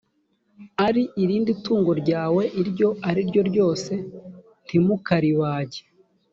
ari irindi tungo ryawe iryo ari ryo ryose ntimukaribage